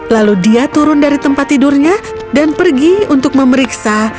lalu dia turun dari tempat tidurnya dan pergi untuk memeriksa